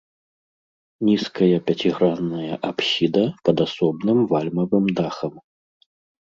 Нізкая пяцігранная апсіда пад асобным вальмавым дахам.